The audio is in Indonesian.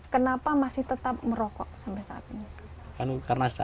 kenapa masih tetap merokok sampai saat ini